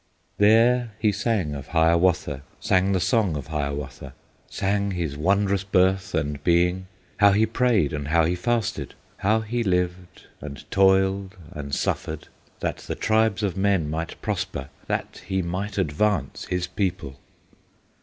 "There he sang of Hiawatha, Sang the Song of Hiawatha, Sang his wondrous birth and being, How he prayed and how be fasted, How he lived, and toiled, and suffered, That the tribes of men might prosper, That he might advance his people!"